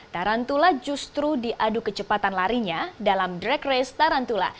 tarantula justru diadu kecepatan larinya dalam drag race tarantula